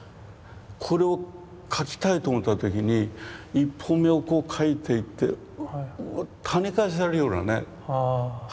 これを描きたいと思った時に一本目をこう描いていってはね返されるようなね。は。